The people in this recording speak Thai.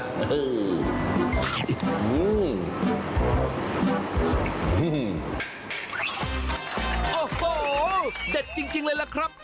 โอ้โหเด็ดจริงเลยล่ะครับ